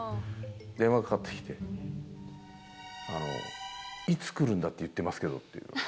電話がかかってきて、いつ来るんだ言ってますけどって。